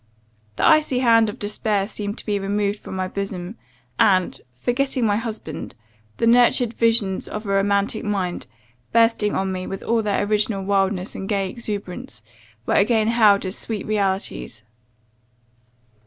The icy hand of despair seemed to be removed from my bosom; and forgetting my husband the nurtured visions of a romantic mind, bursting on me with all their original wildness and gay exuberance, were again hailed as sweet realities.